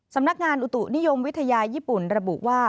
สำนักงานอุตุนิยมวิทยาญี่ปุ่นระบุว่า